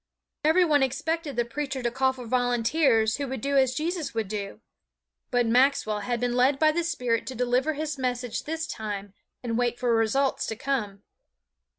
Every one expected the preacher to call for volunteers who would do as Jesus would do. But Maxwell had been led by the Spirit to deliver his message this time and wait for results to come.